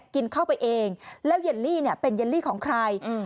กินเข้าไปเองแล้วเยลลี่เป็นเยลลี่ของใคร